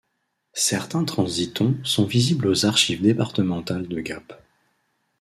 Certains transitons sont visibles aux Archives départementales de Gap.